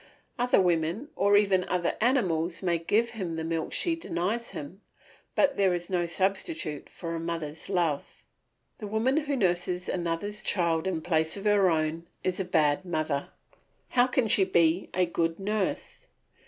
Other women, or even other animals, may give him the milk she denies him, but there is no substitute for a mother's love. The woman who nurses another's child in place of her own is a bad mother; how can she be a good nurse?